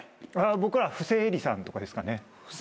僕らふせえりさんとかですかね。